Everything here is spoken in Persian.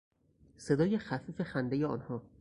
صدای خفیف خندهی آنها